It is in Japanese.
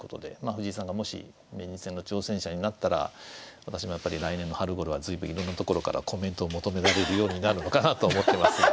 藤井さんがもし名人戦の挑戦者になったら私もやっぱり来年の春ごろは随分いろんなところからコメントを求められるようになるのかなと思ってます。